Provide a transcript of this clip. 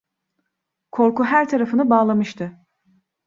Korku her tarafını bağlamıştı.